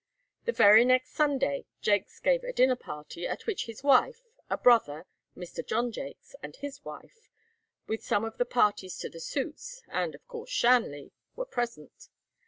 The very next Sunday, Jaques gave a dinner party, at which his wife, a brother, Mr. John Jaques, and his wife, with some of the parties to the suits, and of course Shanley, were present.